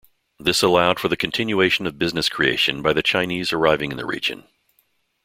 This allowed for the continuation of business-creation by the Chinese arriving in the region.